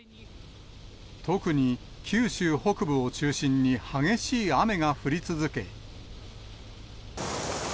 特に九州北部を中心に激しい雨が降り続け。